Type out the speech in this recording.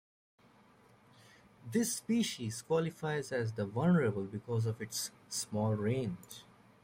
This species qualifies as Vulnerable because of its small range.